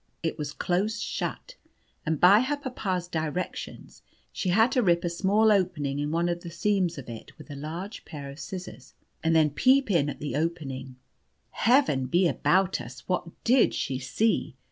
It was close shut, and by her papa's directions, she had to rip a small opening in one of the seams of it with a large pair of scissors, and then peep in at the opening. Heaven be about us! what did she see?